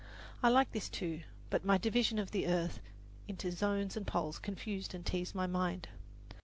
I liked this, too; but the division of the earth into zones and poles confused and teased my mind.